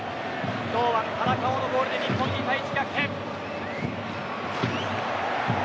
堂安、田中碧のゴールで日本逆転、２対１。